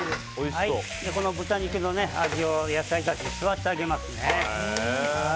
豚肉の味を野菜たちに吸わせてあげますね。